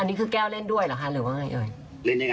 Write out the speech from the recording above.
อันนี้คือแก้วเล่นด้วยหรอค่ะหรือว่าไงเอ๋ย